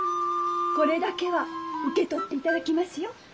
これだけは受け取っていただきますよ。